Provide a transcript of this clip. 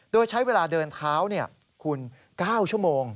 โดยใช้เวลาเดินเท้าคุณ๙ชั่วโมง